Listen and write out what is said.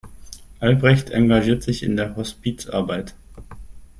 Albrecht engagiert sich in der Hospizarbeit.